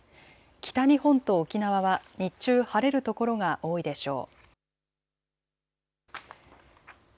北日本と沖縄は日中晴れる所が多いでしょう。